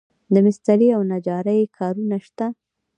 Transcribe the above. د مسترۍ او نجارۍ کارونه شته